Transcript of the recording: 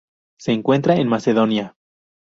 Se encuentra en Macedonia.